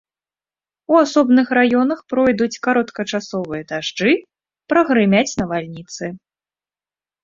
У асобных раёнах пройдуць кароткачасовыя дажджы, прагрымяць навальніцы.